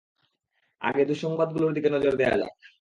আগে, দুঃসংবাদগুলোর দিকে নজর দেয়া যাক।